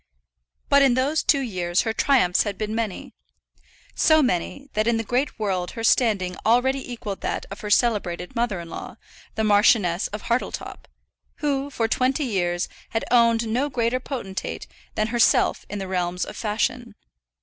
But in those two years her triumphs had been many; so many, that in the great world her standing already equalled that of her celebrated mother in law, the Marchioness of Hartletop, who, for twenty years, had owned no greater potentate than herself in the realms of fashion.